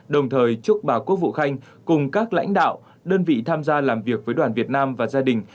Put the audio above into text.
đồng thời chúc bà quốc vụ khanh cùng các lãnh đạo đơn vị tham gia làm việc với đoàn việt nam và gia đình